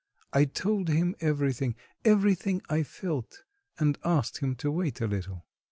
I told him everything, everything I felt, and asked him to wait a little.